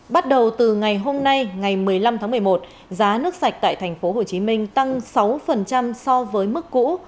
bắt đầu từ ngày hôm nay ngày một mươi năm tháng một mươi một giá nước sạch tại tp hcm tăng sáu so với mức cũ